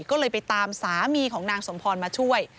ก็เลยไปตามสามีของนางสมพรมาช่วย